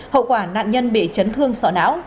hậu quả nạn nhân bị chấn thương sợ não